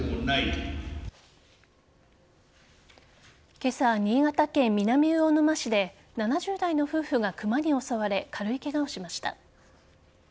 今朝、新潟県南魚沼市で７０代の夫婦がクマに襲われ軽いケガをしました。